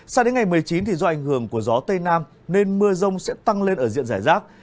sao đến ngày một mươi chín thì do ảnh hưởng của gió tây nam nên mưa rông sẽ tăng lên ở diện giải rác